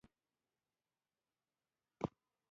د اوبو پر سر يو څه ښورېدل.